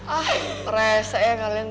ah rese ya kalian